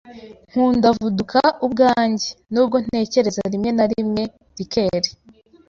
Nkunda vodka ubwanjye, nubwo ntatekereza rimwe na rimwe liqueur.